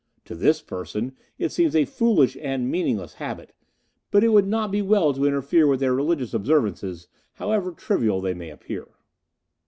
To this person it seems a foolish and meaningless habit; but it would not be well to interfere with their religious observances, however trivial they may appear."